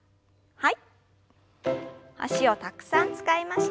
はい。